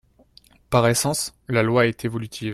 Par essence, la loi est évolutive.